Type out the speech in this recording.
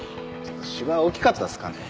芝居大きかったですかね？